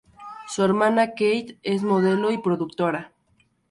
Su hermana, Kate, es modelo y productora.